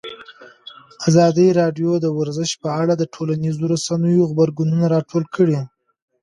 ازادي راډیو د ورزش په اړه د ټولنیزو رسنیو غبرګونونه راټول کړي.